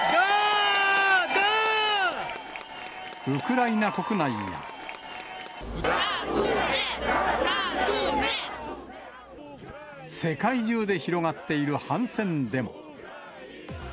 ウクライナ国内や、世界中で広がっている反戦デモ。